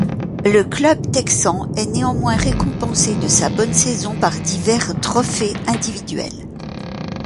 Le club texan est néanmoins récompensé de sa bonne saison par divers trophées individuels.